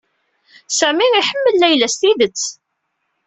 Sami iḥemmel Layla s tidet.